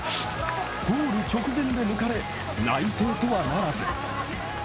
ゴール直前で抜かれ、内定とはならず。